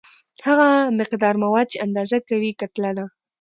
هغه مقدار مواد چې اندازه کوي کتله ده.